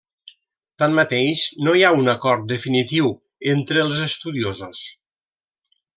Tanmateix no hi ha un acord definitiu entre els estudiosos.